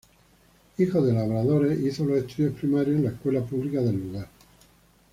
Hijo de labradores, hizo los estudios primarios en la escuela pública del lugar.